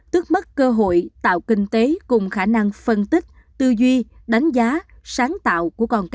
tước mất cơ hội tạo kinh tế cùng khả năng phân tích tư duy đánh giá sáng tạo của con tôm